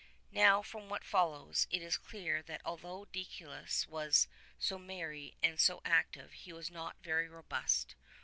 Now from what follows it is clear that although Deicolus was so merry and so active he was not very robust.